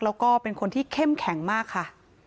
แล้วก็เป็นคนที่เข้มแข็งมากค่ะ